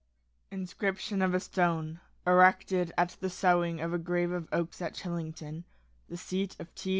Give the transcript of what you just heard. INSCRIPTION FOR A STONE ERECTED AT THE SOWING OF A GROVE OF OAKS AT CHILLINGTON, THE SEAT OF T.